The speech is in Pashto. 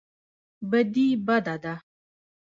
بدي بده ده.